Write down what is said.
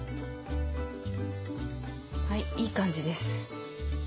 はいいい感じです。